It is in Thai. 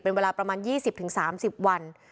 เป็นเวลาประมาณ๒๐๓๐วัน